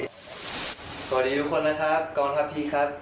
สวัสดีทุกคนนะครับกองทัพพีคครับ